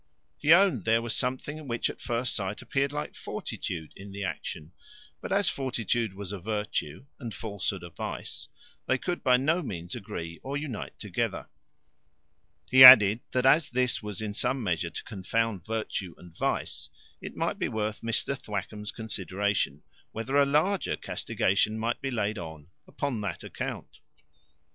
He owned there was something which at first sight appeared like fortitude in the action; but as fortitude was a virtue, and falsehood a vice, they could by no means agree or unite together. He added, that as this was in some measure to confound virtue and vice, it might be worth Mr Thwackum's consideration, whether a larger castigation might not be laid on upon the account.